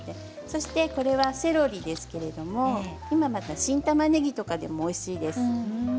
そしてセロリですけれども今、新たまねぎでもおいしいです。